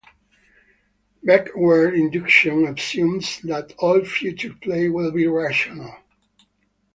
Backward induction assumes that all future play will be rational.